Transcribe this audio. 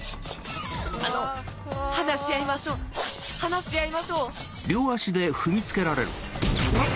あの話し合いましょう！話し合いましょう！